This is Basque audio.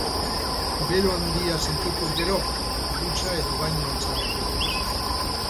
Bero handia sentituz gero, dutxa edo bainu hotza hartu.